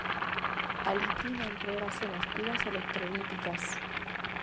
A litina emprégase nas pilas electrolíticas.